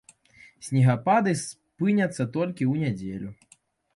Снегапады спыняцца толькі ў нядзелю.